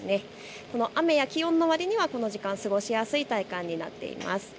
この雨や気温のわりにはこの時間、過ごしやすい体感になっています。